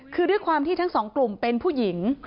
คือด้วยความที่ทั้งสองกลุ่มเป็นผู้หญิง